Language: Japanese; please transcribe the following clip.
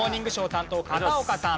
担当片岡さん。